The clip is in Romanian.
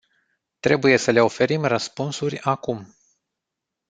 Trebuie să le oferim răspunsuri acum.